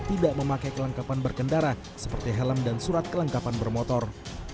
tidak memakai kelengkapan berkendara seperti helm dan surat kelengkapan bermotor